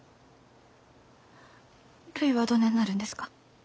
るいはどねんなるんですか？